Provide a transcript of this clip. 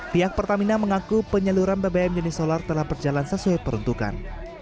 pihak pertamina mengaku penyaluran bbm jenis solar telah berjalan sesuai peruntukan